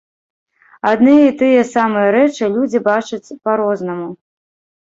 Адны і тыя самыя рэчы людзі бачыць па-рознаму.